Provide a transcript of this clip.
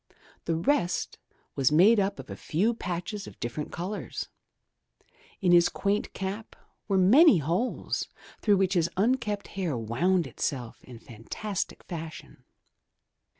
The rest was made up of a few patches of differ 253 MY BOOK HOUSE ent colours. In his quaint cap were many holes through which his unkempt hair woimd itself in fantastic fashion.